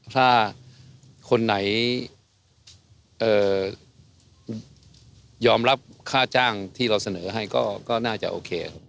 ถ้าคนไหนยอมรับค่าจ้างที่เราเสนอให้ก็น่าจะโอเคครับ